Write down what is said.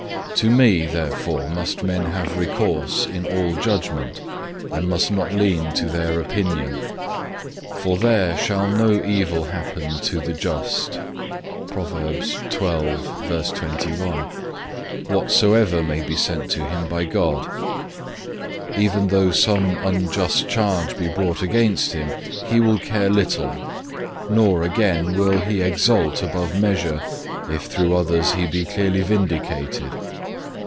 To Me, therefore, must men have recourse in all judgment, and must not lean to their opinion. For there shall no evil happen to the just,(2) whatsoever may be sent to him by God. Even though some unjust charge be brought against him, he will care little; nor, again, will he exult above measure, if through others he be clearly vindicated.